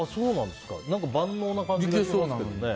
万能な感じがしますけどね。